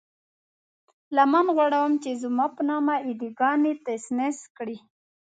لمن غوړوم چې زما په نامه اې ډي ګانې تس نس کړئ.